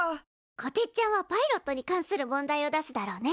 こてっちゃんはパイロットに関する問題を出すだろうね。